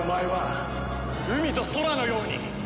海と空のように！